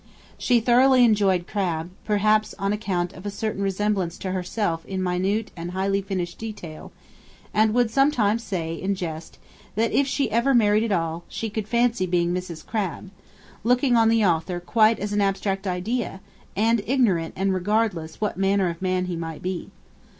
She thoroughly enjoyed Crabbe; perhaps on account of a certain resemblance to herself in minute and highly finished detail; and would sometimes say, in jest, that, if she ever married at all, she could fancy being Mrs. Crabbe; looking on the author quite as an abstract idea, and ignorant and regardless what manner of man he might be.